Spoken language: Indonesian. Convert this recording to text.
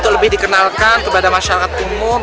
lebih dikenalkan kepada masyarakat umum